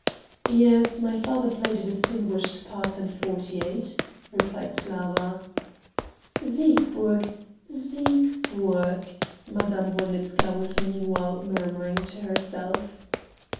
"Yes, my father played a distinguished part in forty eight," replied Slawa. "Siegburg Siegburg?..." Madame Wolnitzka was meanwhile murmuring to herself.